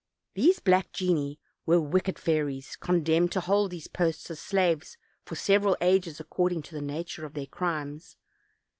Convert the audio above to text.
These black genii were wicked fairies, condemned to hold these posts as slaves for several ages, according to the nature of their crimes.